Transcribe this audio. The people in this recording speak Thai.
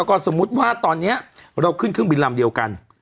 แล้วก็สมมุติว่าตอนนี้เราขึ้นเครื่องบินลำเดียวกัน